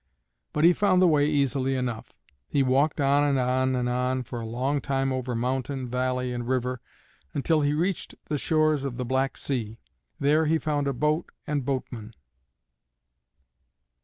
But he found the way easily enough. He walked on and on and on for a long time over mountain, valley, and river, until he reached the shores of the Black Sea. There he found a boat and boatman.